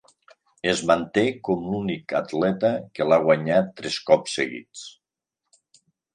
Es manté com l'únic atleta que l'ha guanyat tres cops seguits.